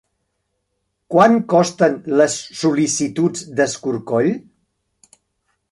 Quant costen les sol·licituds d'escorcoll?